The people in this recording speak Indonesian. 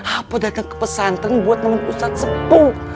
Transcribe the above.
apa dateng kepesantren buat nemuin ustadz sepuh